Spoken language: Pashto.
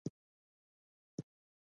کمپاین